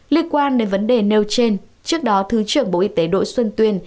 liên quan đến vấn đề nêu trên trước đó thứ trưởng bộ y tế đỗ xuân tuyên